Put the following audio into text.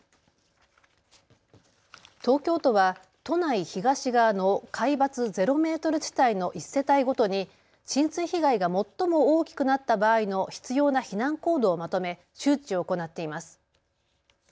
東京都は都内東側の海抜ゼロメートル地帯の１世帯ごとに浸水被害が最も大きくなった場合の必要な避難行動をまとめ周知を行っています。